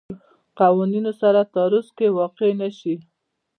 قوانونو سره تعارض کې واقع نه شي.